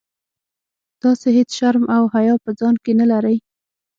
تاسي هیڅ شرم او حیا په ځان کي نه لرئ.